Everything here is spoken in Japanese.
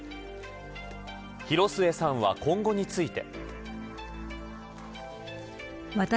広末さんは、今後について。